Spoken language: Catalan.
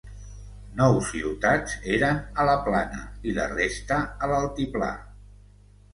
Nou ciutats eren a la plana i la resta a l'altiplà.